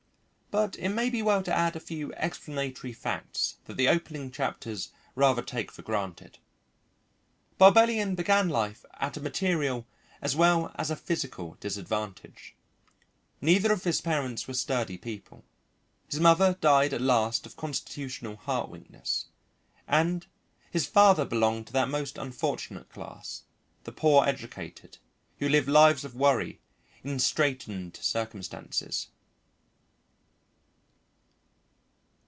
But it may be well to add a few explanatory facts that the opening chapters rather take for granted. Barbellion began life at a material as well as a physical disadvantage; neither of his parents were sturdy people, his mother died at last of constitutional heart weakness, and his father belonged to that most unfortunate class, the poor educated, who live lives of worry in straitened circumstances.